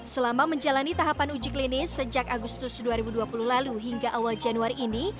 selama menjalani tahapan uji klinis sejak agustus dua ribu dua puluh lalu hingga awal januari ini